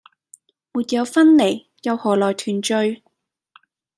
沒有分離，又可來團聚！